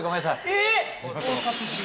えっ！